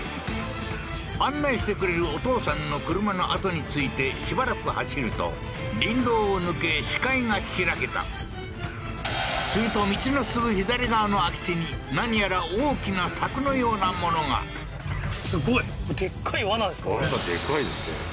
案内してくれるお父さんの車のあとについてしばらく走ると林道を抜け視界が開けたすると道のすぐ左側の空き地に何やら大きな柵のようなものが罠でかいですね